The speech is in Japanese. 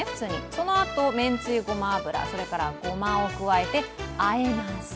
そのあとめんつゆ、ごま油、それからごまを加えてあえます。